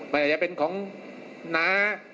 มันอาจจะเป็นของน้า